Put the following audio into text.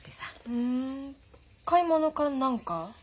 ふん買い物か何か？